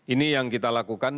ini yang kita lakukan